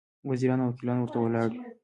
وزیران او وکیلان ورته ولاړ وي.